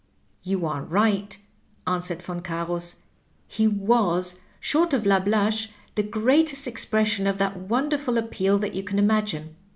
"You are right," answered Yon Carus; "he was, short of Lablache, the greatest expression of that won derful appeal that you can imagine.